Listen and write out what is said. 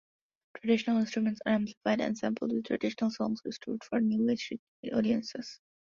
Traditional instruments are amplified, and sampled, with traditional songs rescored for new age audiences.